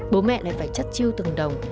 bố mẹ lại phải chất chiêu từng đồng